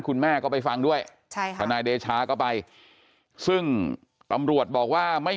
คุณแม่ก็ไปฟังด้วยใช่ค่ะทนายเดชาก็ไปซึ่งตำรวจบอกว่าไม่